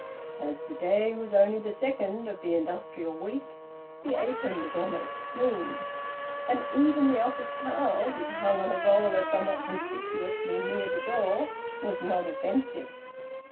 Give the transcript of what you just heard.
As the day was only the second of the industrial week, the apron was almost clean; and even the office towel, which hung on a roller somewhat conspicuously near the door, was not offensive.